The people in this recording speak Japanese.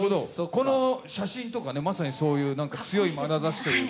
この写真とか、まさにそう強いまなざしというか。